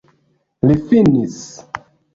Li finis!